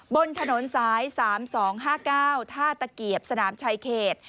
บนถนนสาย๓๒๕๙ท่าตะเกียบสนามชายเขต